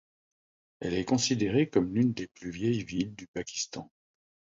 Elle est considérée comme l'une des plus vieilles villes du Pakistan.